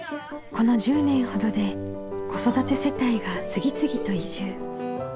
この１０年ほどで子育て世帯が次々と移住。